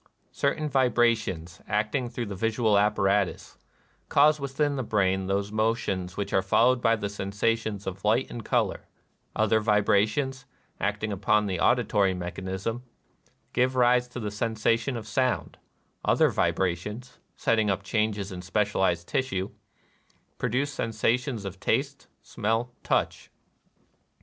Certain vibrations, acting through the visual apparatus, cause within the brain those mo tions which are followed by the sensations of light and color ;— other vibrations, acting upon the auditory mechanism, give rise to the sensation of sound ;— other vibrations, setting up changes in specialized tissue, produce sen sations of taste, smell, touch.